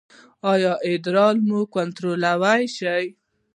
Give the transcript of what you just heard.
ایا ادرار مو کنټرولولی شئ؟